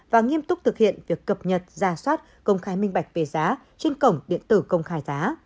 và nghiêm túc thực hiện việc cập nhật ra soát công khai minh bạch về giá trên cổng điện tử công khai giá